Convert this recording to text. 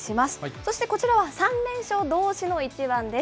そして、こちらは３連勝どうしの一番です。